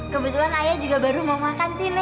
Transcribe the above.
kebetulan ayah juga baru mau makan sih nek